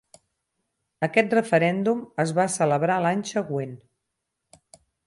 Aquest referèndum es va celebrar l'any següent.